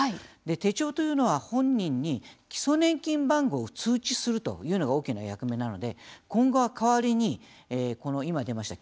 手帳というのは本人に基礎年金番号を通知するというのが大きな役目なので今後は代わりにこの、今、出ました